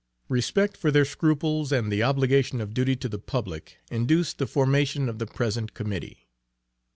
Respect for their scruples and the obligation of duty to the public induced the formation of the present Committee.